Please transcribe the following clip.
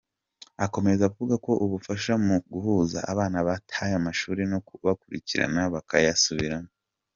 Akomeza avuga ko ubafasha mu guhuza abana bataye amashuri no kubakurikirana bakayasubiramo.